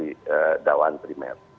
ini adalah pembuktian terhadap dakwaan primer